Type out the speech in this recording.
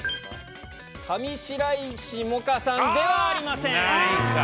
上白石萌歌さんではありません。